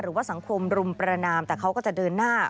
หรือว่าสังคมรุมประนามแต่เขาก็จะเดินหน้า